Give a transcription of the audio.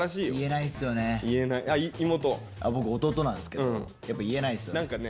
僕弟なんですけどやっぱ言えないですよね。